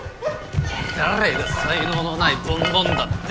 誰が才能の無いボンボンだって！？